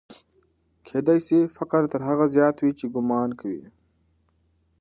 کېدای سي فقر تر هغه زیات وي چې ګومان کوو.